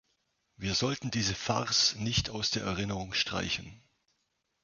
Wir sollten diese Farce nicht aus der Erinnerung streichen.